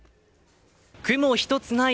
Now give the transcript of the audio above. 雲一つない